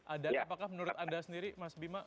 ada apakah menurut anda sendiri mas bima